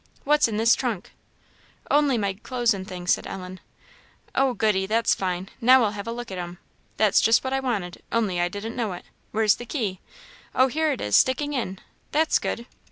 What's in this trunk?" "Only my clothes and things," said Ellen. "Oh, goody! that's fine; now I'll have a look at 'em. That's just what I wanted, only I didn't know it. Where's the key? Oh, here it is, sticking in that's good!"